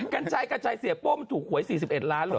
การใจเป้าหมายเลยถูกหวยสี่สิบเอ็ดล้านหรือ